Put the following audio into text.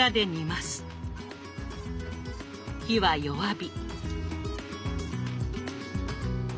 火は弱火。